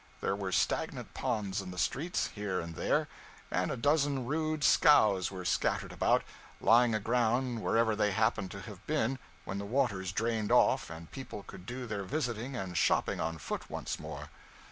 There were stagnant ponds in the streets, here and there, and a dozen rude scows were scattered about, lying aground wherever they happened to have been when the waters drained off and people could do their visiting and shopping on foot once more.